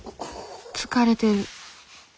疲れてる。